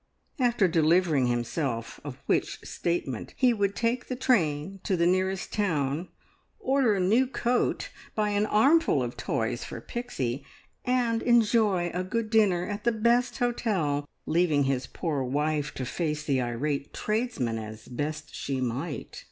After delivering himself of which statement he would take the train to the nearest town, order a new coat, buy an armful of toys for Pixie, and enjoy a good dinner at the best hotel, leaving his poor wife to face the irate tradesmen as best she might.